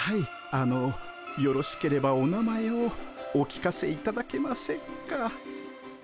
あのよろしければお名前をお聞かせいただけませんか？